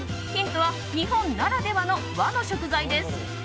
ヒントは日本ならではの和の食材です。